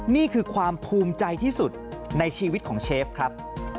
นี่คือความภูมิใจที่สุดในชีวิตของเชฟครับ